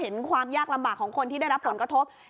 ความยากลำบากของคนที่ได้รับผลกระทบ